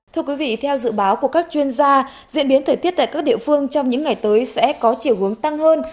thưa quý vị theo dự báo của các chuyên gia diễn biến thời tiết tại các địa phương trong những ngày tới sẽ có chiều hướng tăng hơn